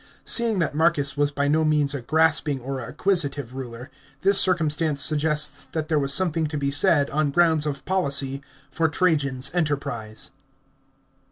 Seeing that Marcus was by no means a grasping or acquisitive ruler, this circumstance suggests that there was something to be said, on grounds of policy, for Trajan's enterprise.